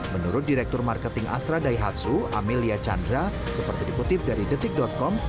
menurut direktur marketing astra daihatsu amelia chandra seperti dikutip dari detik com